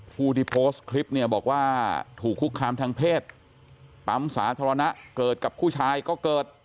ผู้ที่โพสต์คลิปเนี่ยบอกว่าถูกคุกคามทางเพศปั๊มสาธารณะเกิดกับผู้ชายก็เกิด